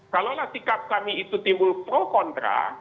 kalaulah sikap kami itu timbul pro kontra